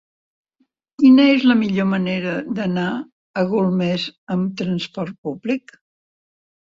Quina és la millor manera d'anar a Golmés amb trasport públic?